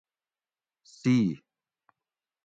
سی